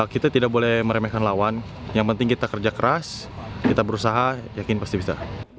kita tidak boleh meremehkan lawan yang penting kita kerja keras kita berusaha yakin pasti bisa